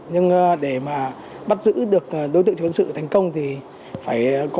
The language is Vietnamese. nhưng để mà bắt giữ được đối tượng truyền sự thành công thì phải có